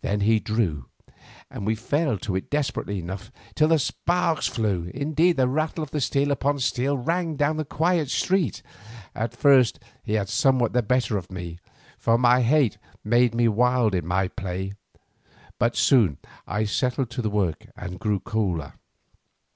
Then he drew, and we fell to it desperately enough, till the sparks flew, indeed, and the rattle of steel upon steel rang down the quiet street. At first he had somewhat the better of me, for my hate made me wild in my play, but soon I settled to the work and grew cooler.